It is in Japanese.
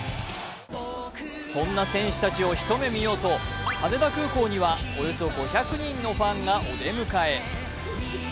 そんな選手たちを一目見ようと、羽田空港にはおよそ５００人のファンがお出迎え。